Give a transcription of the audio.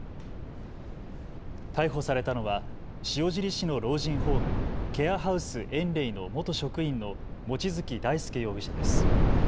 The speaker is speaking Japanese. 逮捕されたのは塩尻市の老人ホーム、ケアハウスえんれいの元職員の望月大輔容疑者です。